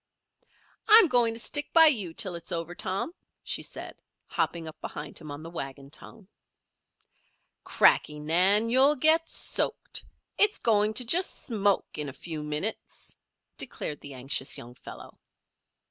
"I'm going to stick by you till it's over, Tom," she said, hopping up behind him on the wagon tongue. "Cracky, Nan! You'll get soaked. It's going to just smoke in a few minutes," declared the anxious young fellow.